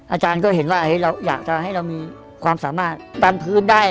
อาจารย์ก็เห็นว่าเราอยากจะให้เรามีความสามารถดันพื้นได้